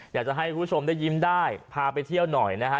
อยากจะให้คุณผู้ชมได้ยิ้มได้พาไปเที่ยวหน่อยนะฮะ